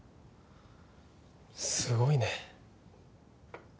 すごいね。